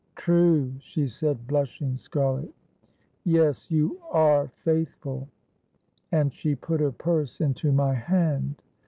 '—'True!' she said, blushing scarlet. 'Yes—you are faithful!' and she put her purse into my hand.